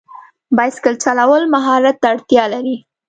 بایسکل چلول مهارت ته اړتیا لري.